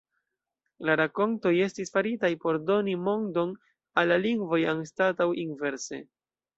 La 'rakontoj' estis faritaj por doni mondon al la lingvoj anstataŭ inverse.